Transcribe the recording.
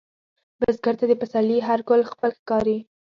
بزګر ته د پسرلي هر ګل خپل ښکاري